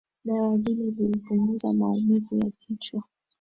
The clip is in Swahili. Dawa zile zilipunguza maumivu ya kichwa